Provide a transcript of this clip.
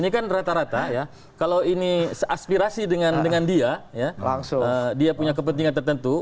ini kan rata rata ya kalau ini seaspirasi dengan dia dia punya kepentingan tertentu